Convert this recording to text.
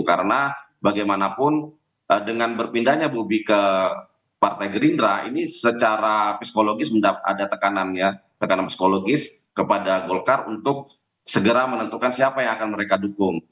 karena bagaimanapun dengan berpindahnya bobi ke partai gerindra ini secara psikologis ada tekanan ya tekanan psikologis kepada golkar untuk segera menentukan siapa yang akan mereka dukung